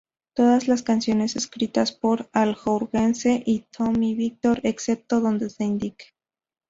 Todas las canciones escritas por Al Jourgensen y Tommy Victor, excepto donde se indique.